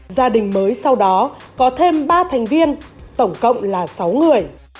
gia đình mới sau đó có thêm ba thành viên tổng cộng là sáu người